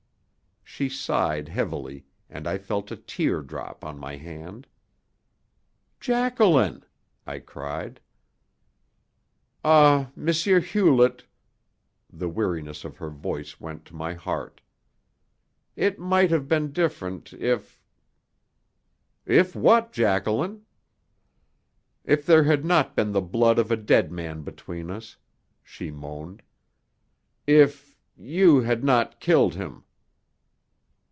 She sighed heavily, and I felt a tear drop on my hand. "Jacqueline!" I cried. "Ah, M. Hewlett" the weariness of her voice went to my heart "it might have been different if " "If what, Jacqueline?" "If there had not been the blood of a dead man between us," she moaned. "If you had not killed him!"